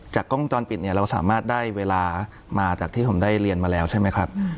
กล้องวงจรปิดเนี่ยเราสามารถได้เวลามาจากที่ผมได้เรียนมาแล้วใช่ไหมครับ